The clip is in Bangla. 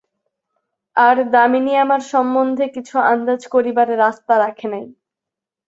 আর, দামিনী আমার সম্বন্ধে কিছু আন্দাজ করিবার রাস্তা রাখে নাই।